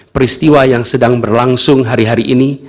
peristiwa yang sedang berlangsung hari hari ini